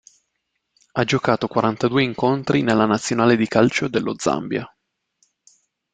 Ha giocato quarantadue incontri nella nazionale di calcio dello Zambia.